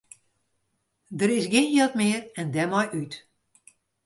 Der is gjin jild mear en dêrmei út.